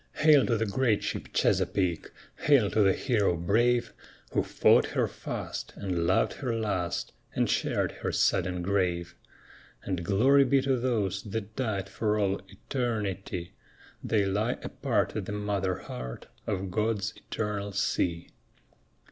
Hail to the great ship Chesapeake! Hail to the hero brave Who fought her fast, and loved her last, and shared her sudden grave! And glory be to those that died for all eternity; They lie apart at the mother heart of God's eternal sea.